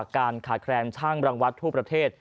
การขาดแคลนช่างรังวัดทั่วประเทศ